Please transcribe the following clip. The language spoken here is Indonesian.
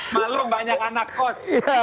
malu banyak anak kos